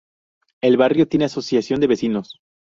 El barrio tiene asociación de vecinos.